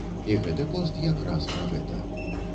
І гэты пост як раз пра гэта.